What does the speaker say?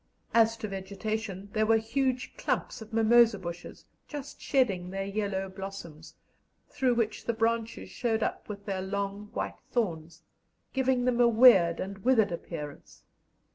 As to vegetation, there were huge clumps of mimosa bushes, just shedding their yellow blossoms, through which the branches showed up with their long white thorns, giving them a weird and withered appearance.